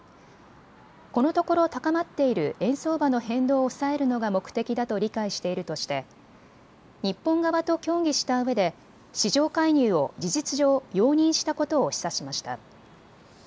このところ高まっている円相場の変動を抑えるのが目的だと理解しているとして日本側と協議したうえで市場介入を事実上、容認したことを示唆しました。